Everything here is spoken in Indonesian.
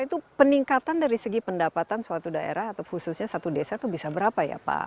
itu peningkatan dari segi pendapatan suatu daerah atau khususnya satu desa itu bisa berapa ya pak